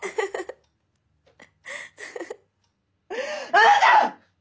あなた！